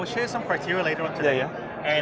jadi saya akan berbagi beberapa kriteria kemudian hari ini